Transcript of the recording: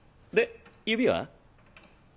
で指は？